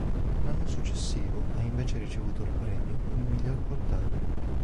L'anno successivo ha invece ricevuto il premio come miglior portale.